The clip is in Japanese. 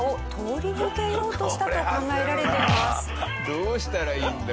どうしたらいいんだ？